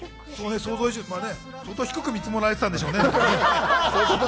相当低く見積もられてたんでしょうね。